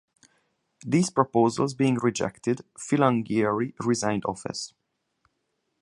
These proposals being rejected, Filangieri resigned office.